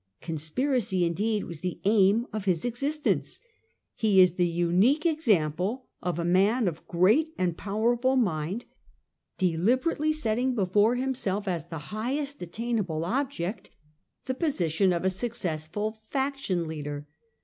Conspiracy, indeed, was the aim of his existence. He is the unique example of a man of great and powerful mind deliberately setting before himself as Che highest attainable object the position of a successful faction leader.